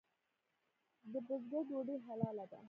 د بزګر ډوډۍ حلاله ده؟